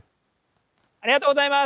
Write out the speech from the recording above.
ありがとうございます。